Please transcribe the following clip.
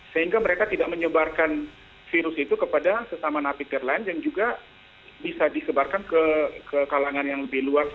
sehingga mereka tidak menyebarkan virus itu kepada sesama napiter lain yang juga bisa disebarkan ke kalangan yang lebih luas